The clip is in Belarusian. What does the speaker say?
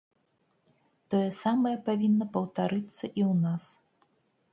Тое самае павінна паўтарыцца і ў нас.